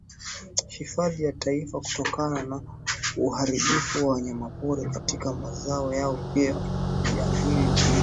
Hifadhi ya Taifa kutokana na uharibifu wa wanyamapori katika mazao yao pia ujangili ulio